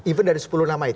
even dari sepuluh nama itu